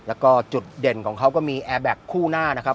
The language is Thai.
แล้วก็จุดเด่นของเขาก็มีแอร์แบ็คคู่หน้านะครับ